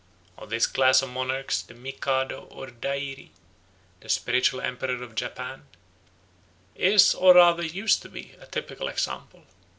Of this class of monarchs the Mikado or Dairi, the spiritual emperor of Japan, is or rather used to be a typical example.